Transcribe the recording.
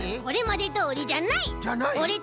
これまでどおりじゃない！じゃない？